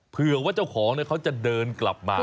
เผื่อว่าเจ้าของเขาจะเดินกลับมา